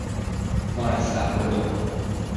مرصع پلو